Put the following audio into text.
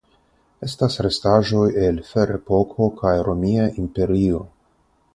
Estas restaĵoj el Ferepoko kaj Romia Imperio.